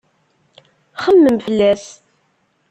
Xemmem fell-as.